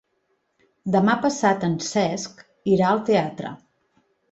Demà passat en Cesc irà al teatre.